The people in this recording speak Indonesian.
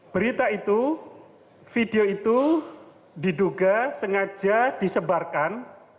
berita itu video itu diduga sengaja disebarkan